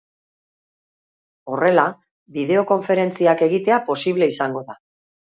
Horrela, bideokonferentziak egitea posible izango da.